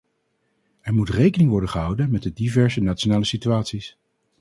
Er moet rekening worden gehouden met de diverse nationale situaties.